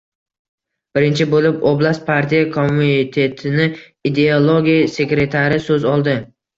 Birinchi bo‘lib oblast partiya komitetini ideologiya sekretari so‘z oldi: